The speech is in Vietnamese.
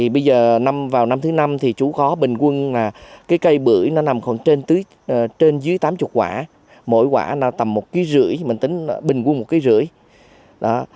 bây giờ vào năm thứ năm thì chú có bình quân cây bưởi nằm khoảng trên dưới tám mươi quả mỗi quả tầm một năm kg mình tính bình quân một năm kg